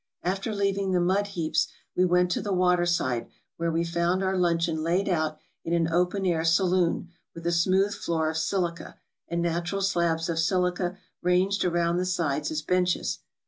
After leaving the mud heaps we went to the water side, where we found our luncheon laid out in an open air saloon, with a smooth floor of silica, and natural slabs of silica ranged around the sides as benches.